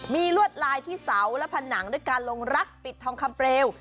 มีลวดลายที่เสาและผนังด้วยการลงรักปิดทองคำเปลว